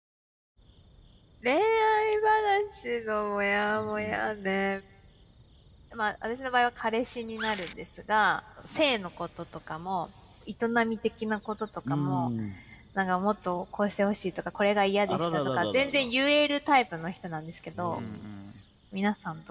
恋愛話のモヤモヤでまあ私の場合は彼氏になるんですが性のこととかも営み的なこととかも何かもっとこうしてほしいとかこれが嫌でしたとか全然言えるタイプの人なんですけど皆さんどうです？